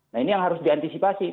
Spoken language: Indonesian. nah ini yang harus diantisipasi